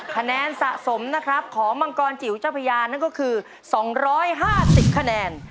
คะแนนสะสมของบางกรจิ๋วเจ้าพยานก็คือ๒๕๐คะแนน